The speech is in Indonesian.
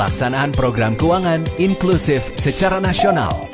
pelaksanaan program keuangan inklusif secara nasional